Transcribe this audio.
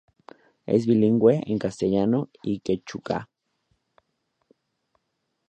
Es bilingüe en castellano y quechua.